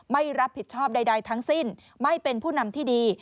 ไม่รับผิดชอบใดทั้งสิ้นไม่เป็นผู้นำที่ดี